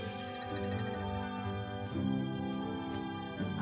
あ！